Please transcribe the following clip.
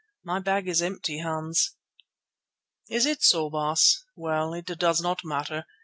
My bag is empty, Hans." "Is it so, Baas? Well, it does not matter.